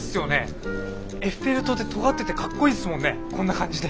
エッフェル塔ってとがっててかっこいいっすもんねこんな感じで。